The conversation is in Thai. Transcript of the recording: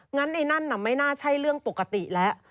งั้นไอ้นั่นน่ะไม่น่าใช่เรื่องปกติแล้ว